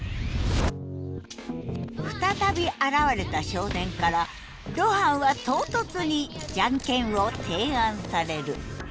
再び現れた少年から露伴は唐突に「ジャンケン」を提案される。